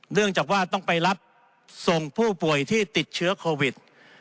เนื่องจากว่าต้องไปรับส่งผู้ป่วยที่ติดเชื้อโควิด